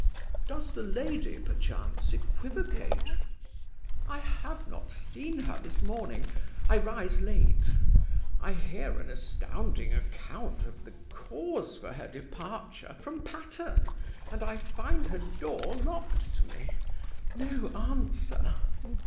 "Does the lady, perchance, equivocate?" "I have not seen her this morning; I rise late. I hear an astounding account of the cause for her departure from Patterne, and I find her door locked to me no answer."